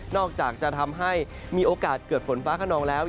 อกจากจะทำให้มีโอกาสเกิดฝนฟ้าขนองแล้ว